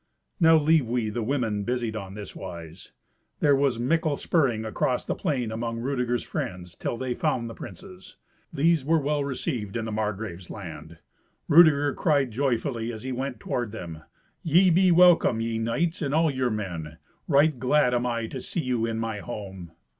Now leave we the women busied on this wise. There was mickle spurring across the plain among Rudeger's friends till they found the princes. These were well received in the Margrave's land. Rudeger cried joyfully as he went toward them, "Ye be welcome, ye knights, and all your men. Right glad am I to see you in my home."